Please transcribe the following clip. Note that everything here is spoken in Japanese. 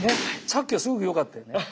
さっきはすごく良かったよね。